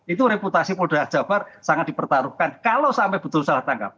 itu reputasi polda jabar sangat dipertaruhkan kalau sampai betul salah tangkap